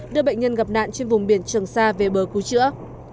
ra về bờ cứu trữa